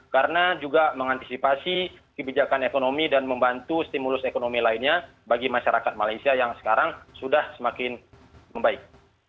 karena juga mengantisipasi kebijakan ekonomi dan membantu stimulus ekonomi lainnya bagi masyarakat malaysia yang sekarang sudah semakin membaik